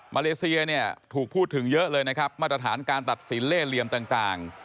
มาเลเซียถูกพูดถึงเยอะเป็นระดาษการตัดศีลเล่เลี่ยมต่าง